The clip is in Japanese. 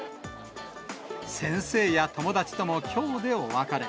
先生や友達とも、きょうでお別れ。